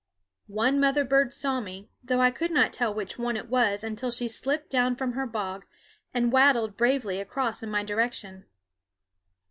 One mother bird saw me, though I could not tell which one it was until she slipped down from her bog and waddled bravely across in my direction.